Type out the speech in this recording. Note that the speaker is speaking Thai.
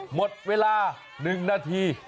หมดเวลา๑นาที